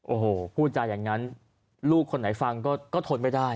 โอ้โหพูดจาอย่างนั้นลูกคนไหนฟังก็ทนไม่ได้